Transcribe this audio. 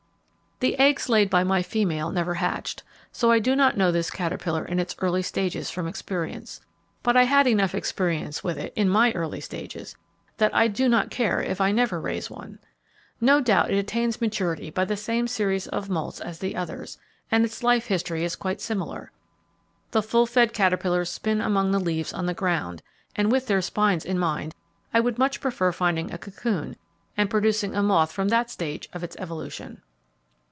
The eggs laid by my female never hatched, so I do not know this caterpillar in its early stages from experience, but I had enough experience with it in my early stages, that I do not care if I never raise one. No doubt it attains maturity by the same series of moults as the others, and its life history is quite similar. The full fed caterpillars spin among the leaves on the ground, and with their spines in mind, I would much prefer finding a cocoon, and producing a moth from that stage of its evolution.